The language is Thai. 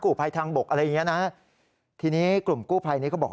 ภัยทางบกอะไรอย่างเงี้ยนะทีนี้กลุ่มกู้ภัยนี้ก็บอก